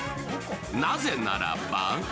なぜならば。